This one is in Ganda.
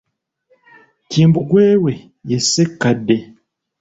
Kimbugwe we ye Ssekkadde.